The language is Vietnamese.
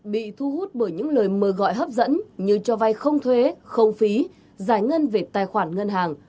bị thu hút bởi những lời mời gọi hấp dẫn như cho vay không thuế không phí giải ngân về tài khoản ngân hàng